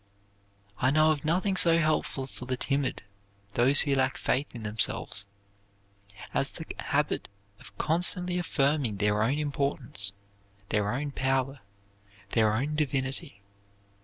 I know of nothing so helpful for the timid, those who lack faith in themselves, as the habit of constantly affirming their own importance, their own power, their own divinity.